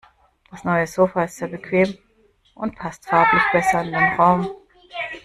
Das neue Sofa ist sehr bequem und passt farblich besser in den Raum.